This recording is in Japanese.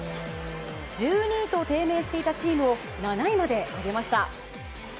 １２位と低迷していたチームを７位まで上げました。